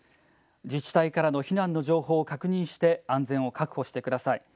自治体からの避難の情報を確認して安全を確保してください。